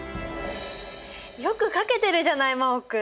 よく書けてるじゃない真旺君！